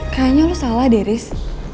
kayaknya lo salah deh riz